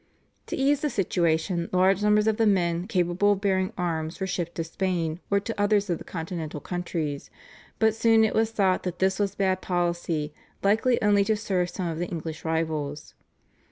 To ease the situation large numbers of the men capable of bearing arms were shipped to Spain, or to others of the Continental countries, but soon it was thought that this was bad policy likely only to serve some of England's rivals.